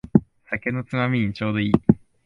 酒のつまみにちょうどいい